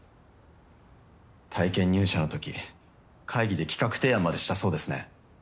体験入社のとき会議で企画提案までしたそうですね。